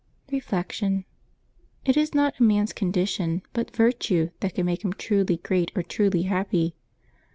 Reflection. — It is not a man's condition, but virtue, that can make him tridy great or truly happy.